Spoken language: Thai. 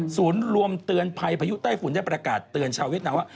ศูนย์รวมเตือนภัยพายุใต้ฝุ่นได้ประกาศเตือนชาวเวียดนามว่า